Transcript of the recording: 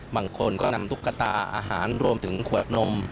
บางคนก็นำตุ๊กตาอาหารรวมถึงขวดนม